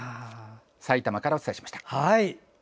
さいたまからお伝えしました。